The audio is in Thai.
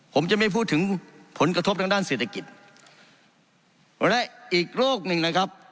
ผมจะไม่พูดถึงผลกระทบทางด้านเศรษฐกิจและอีกโรคหนึ่งนะครับ